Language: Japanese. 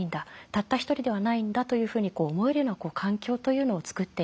たった一人ではないんだというふうに思えるような環境というのをつくっていく。